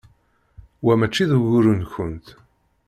Wa mačči d ugur-nkent.